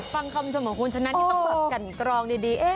ฟังคำชมของคุณฉะนั้นที่ต้องกันกรองดี